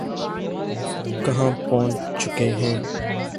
کہاں پہنچ چکے ہیں۔